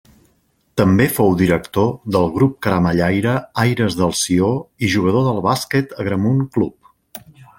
També fou director del Grup Caramellaire Aires del Sió i jugador del Bàsquet Agramunt Club.